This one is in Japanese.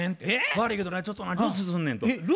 「悪いけどなちょっと留守すんねん」と。